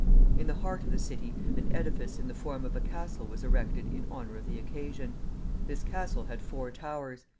In the heart of the city an edifice in the form of a castle was erected in honor of the occasion. This castle had four towers.